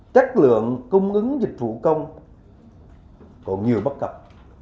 chất lượng cung ứng dịch vụ công còn nhiều bất cập